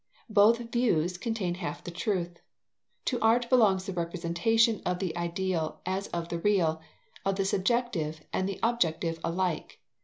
Both views contain half the truth. To art belongs the representation of the ideal as of the real, of the subjective and of the objective alike.